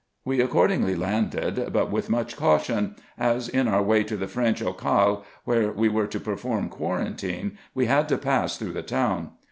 We accordingly landed, but with much caution, as, in our way to the French Occale, where we were to perform quarantine, we had to pass through the town.